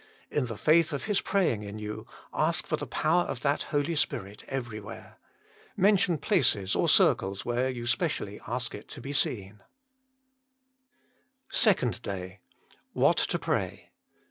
In the faith of His praying in you, ask for the power of that Holy Spirit everywhere. Mention places or circles whore you specially ask it to be seer. SPECIAL PETITIONS PRAY "WITHOUT CEASING SECOND DAY WHAT TO PRAY.